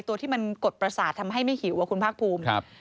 ตัวที่มันกดประสาททำให้ไม่หิวคุณภาคภูมิ